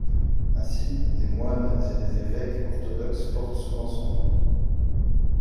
Ainsi, des moines et des évêques orthodoxes portent souvent son nom.